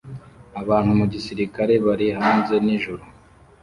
Abantu mu gisirikare bari hanze nijoro